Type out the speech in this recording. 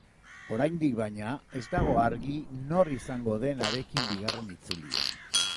Oraindik, baina, ez dago argi nor izango den harekin bigarren itzulian.